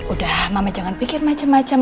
udah mama jangan pikir macem macem